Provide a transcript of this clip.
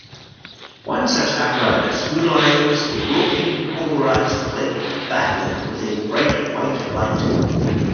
One such apparatus utilises a rotating polarised plate backlit with a bright white light.